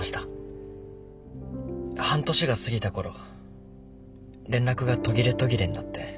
半年が過ぎたころ連絡が途切れ途切れになって。